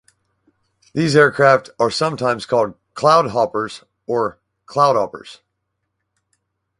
These aircraft are sometimes called "Cloud Hoppers" or "Cloudhoppers.